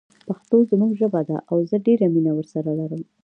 پښتو زموږ ژبه ده او زه ډیره مینه ورسره لرم